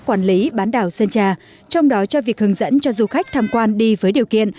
quản lý bán đảo sơn trà trong đó cho việc hướng dẫn cho du khách tham quan đi với điều kiện